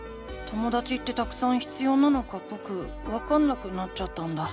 ともだちってたくさん必要なのかぼくわかんなくなっちゃったんだ。